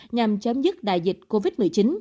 nhằm chấm dứt đại dịch covid một mươi chín